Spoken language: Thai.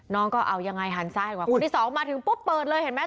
น้องก็เอายังไงหันซ้ายหันขวาคนที่สองมาถึงปุ๊บเปิดเลยเห็นไหม